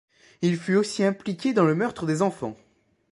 Il fut aussi impliqué dans le meurtre des enfants.